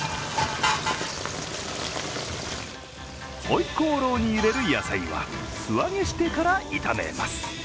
回鍋肉に入れる野菜は素揚げしてから炒めます。